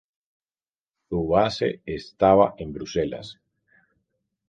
Su base estaba en Bruselas.